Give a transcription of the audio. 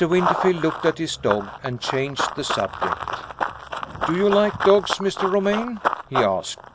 Winterfield looked at his dog, and changed the subject. "Do you like dogs, Mr. Romayne?" he asked.